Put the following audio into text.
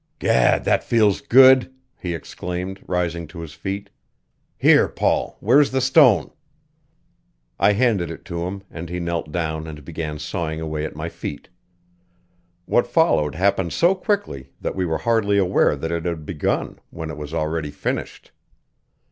"Gad, that feels good!" he exclaimed, rising to his feet. "Here, Paul; where's the stone?" I handed it to him and he knelt down and began sawing away at my feet. What followed happened so quickly that we were hardly aware that it had begun when it was already finished.